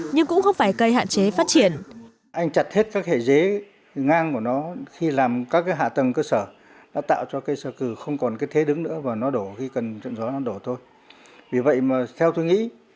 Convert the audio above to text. nhưng cũng không phải cây hạn chế phát triển